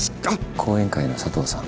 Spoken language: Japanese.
後援会の佐藤さん